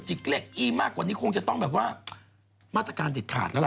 เลขอี้มากกว่านี้คงจะต้องแบบว่ามาตรการเด็ดขาดแล้วล่ะ